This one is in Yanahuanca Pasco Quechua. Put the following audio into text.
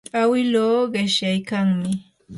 awiluu qishyaykanmi.